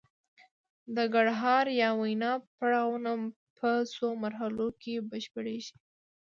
د ګړهار یا وینا پړاوونه په څو مرحلو کې بشپړیږي